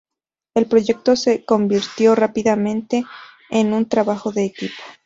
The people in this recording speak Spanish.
El proyecto se convirtió rápidamente en un trabajo de equipo.